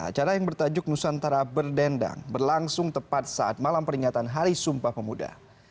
acara yang bertajuk nusantara berdendang berlangsung tepat saat malam peringatan hari sumpah pemuda